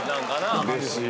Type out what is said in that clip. うれしい。